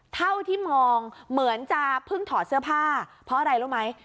เท่าที่มองเหมือนจะเพิ่งถอดเสื้อผ้าเพราะอะไรรู้ไหม